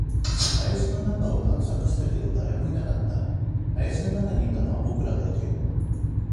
林の中を探索したけど、誰もいなかった。林の中にいたのは僕らだけ。